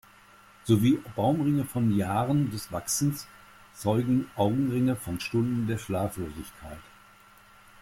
So wie Baumringe von Jahren des Wachsens zeugen Augenringe von Stunden der Schlaflosigkeit.